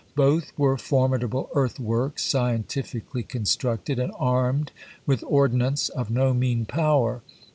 Both were formidable earthworks, scientifically constructed, and armed with ordnance of no mean power.